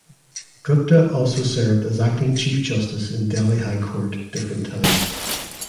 Gupta also served as acting Chief Justice in Delhi High Court different times.